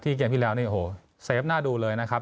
เกมที่แล้วนี่โอ้โหเซฟน่าดูเลยนะครับ